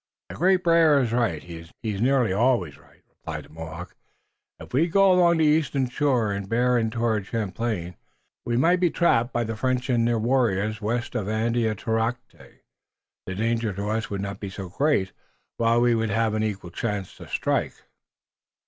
"The Great Bear is right. He is nearly always right," replied the Mohawk. "If we go along the eastern shore and bear in toward Champlain we might be trapped by the French and their warriors. West of Andiatarocte the danger to us would not be so great, while we would have an equal chance to strike."